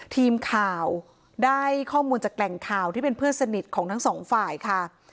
ทีมข่าวได้ข้อมูลจากแหล่งข่าวที่เป็นเพื่อนสนิทของทั้งสองฝ่ายค่ะ